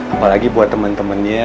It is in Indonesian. apalagi buat temen temennya